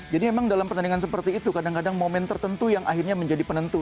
jadi memang dalam pertandingan seperti itu kadang kadang momen tertentu yang akhirnya menjadi penentu